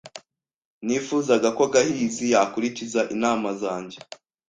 Nifuzaga ko Gahizi yakurikiza inama zanjye.